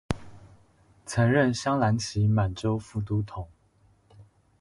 曾任镶蓝旗满洲副都统。